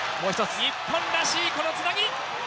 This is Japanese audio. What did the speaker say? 日本らしいこのつなぎ。